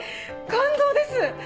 感動です！